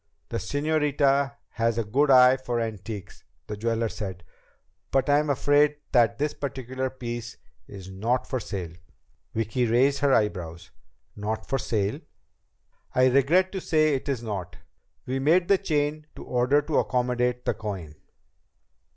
"The señorita has a good eye for antiques," the jeweler said. "But I am afraid that this particular piece is not for sale." Vicki raised her eyebrows. "Not for sale?" "I regret to say it is not. We made the chain to order to accommodate the coin."